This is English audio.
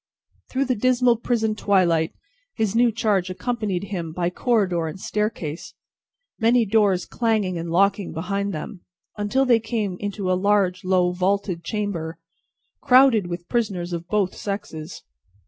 Through the dismal prison twilight, his new charge accompanied him by corridor and staircase, many doors clanging and locking behind them, until they came into a large, low, vaulted chamber, crowded with prisoners of both sexes.